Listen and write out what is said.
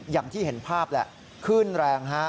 อย่างที่เห็นภาพแหละคลื่นแรงฮะ